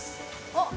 あっ。